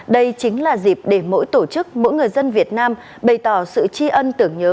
đây chính là dịp để mỗi tổ chức mỗi người dân việt nam bày tỏ sự tri ân tưởng nhớ